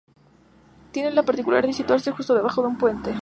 Tiene la particularidad de situarse justo debajo de un puente.